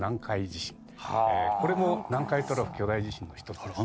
これも南海トラフ巨大地震の一つですね。